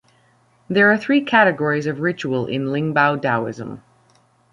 There are three categories of ritual in Lingbao Daoism.